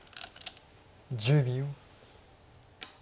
１０秒。